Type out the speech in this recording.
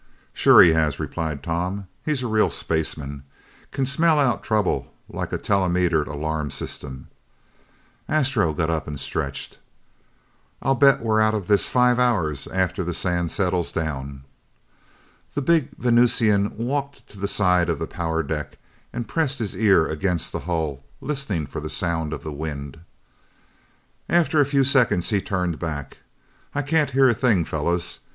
"Sure he has," replied Tom. "He's a real spaceman. Can smell out trouble like a telemetered alarm system." Astro got up and stretched. "I'll bet we're out of this five hours after the sand settles down." The big Venusian walked to the side of the power deck and pressed his ear against the hull, listening for the sound of the wind. After a few seconds he turned back. "I can't hear a thing, fellas.